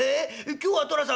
今日は寅さん